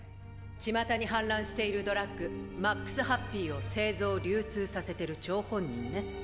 巷に氾濫しているドラッグ「ＭＡＸＨＡＰＰＹ」を製造流通させてる張本人ね。